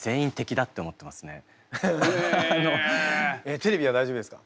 テレビは大丈夫ですか？